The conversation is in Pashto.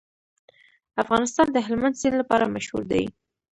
افغانستان د هلمند سیند لپاره مشهور دی.